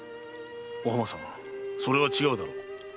お浜さんそれは違うだろう。